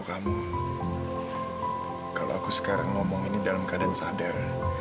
kalau aku sekarang ngomong ini dalam keadaan sadar